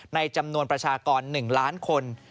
ในจำนวนประชากร๑ล้านคน